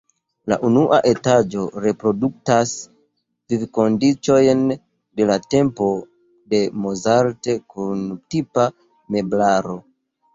La unua etaĝo reproduktas vivkondiĉojn de la tempo de Mozart kun tipa meblaro.